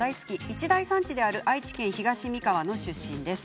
一大産地である愛知県東三河の出身です。